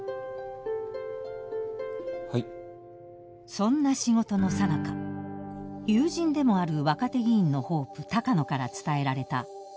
［そんな仕事のさなか友人でもある若手議員のホープ鷹野から伝えられた不穏な情報。］